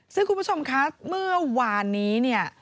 ซึ่งคุณผู้ชมค่ะเมื่อวานนี้